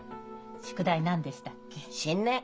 宿題何でしたっけ？